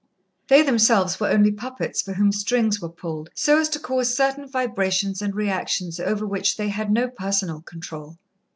They themselves were only puppets for whom strings were pulled, so as to cause certain vibrations and reactions over which they had no personal control.